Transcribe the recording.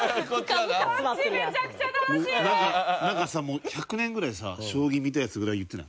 もう１００年ぐらい将棋見たヤツぐらい言ってない？